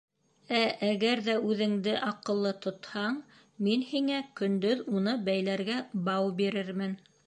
Ә әгәр ҙә үҙеңде аҡыллы тотһаң мин һиңә, көндөҙ уны бәйләргә, бау бирермен.